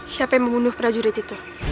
siapa yang membunuh pak julid itu